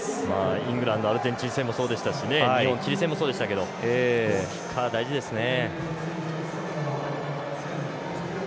イングランドアルゼンチン戦もそうでしたし日本、チリ戦もそうでしたしキッカー、大事ですね。